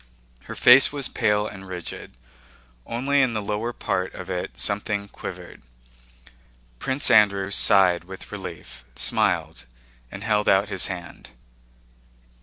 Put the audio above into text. Her face was pale and rigid. Only in the lower part of it something quivered. Prince Andrew sighed with relief, smiled, and held out his hand.